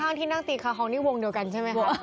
ข้างที่นั่งตีค้านี่วงเดียวกันใช่ไหมคะ